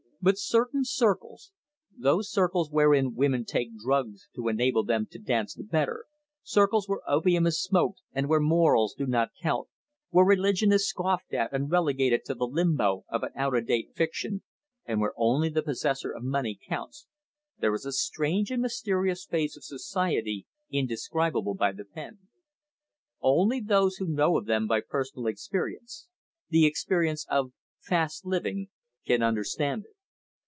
But certain circles those circles wherein women take drugs to enable them to dance the better, circles where opium is smoked, and where morals do not count, where religion is scoffed at and relegated to the limbo of an out of date fiction, and where only the possessor of money counts, there is a strange and mysterious phase of Society indescribable by the pen. Only those who know of them by personal experience the experience of "fast living" can understand it.